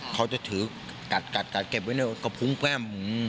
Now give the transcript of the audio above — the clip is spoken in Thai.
เขาจะถือกัดเก็บไว้ในกระพรุ้งแป้ม